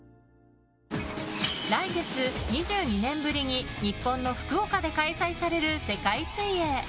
来月、２２年ぶりに日本の福岡で開催される世界水泳。